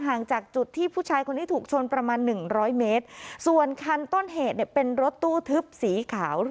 ห่างจากจุดที่ผู้ชายคนนี้ถูกชนประมาณหนึ่งร้อยเมตรส่วนคันต้นเหตุเนี่ยเป็นรถตู้ทึบสีขาว